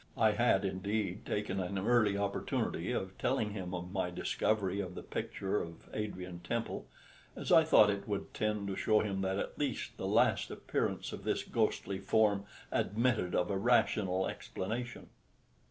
I had, indeed, taken an early opportunity of telling him of my discovery of the picture of Adrian Temple, as I thought it would tend to show him that at least the last appearance of this ghostly form admitted of a rational explanation.